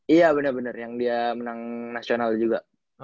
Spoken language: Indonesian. iya bener bener yang dia menang nasional juga